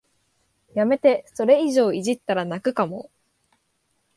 やめて、それ以上いじったら泣くかも